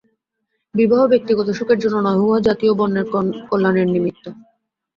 বিবাহ ব্যক্তিগত সুখের জন্য নহে, উহা জাতি ও বর্ণের কল্যাণের নিমিত্ত।